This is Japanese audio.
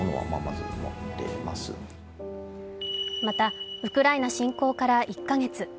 また、ウクライナ侵攻から１カ月。